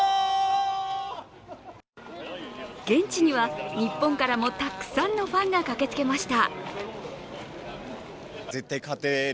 現地には日本からもたくさんのファンが駆けつけました。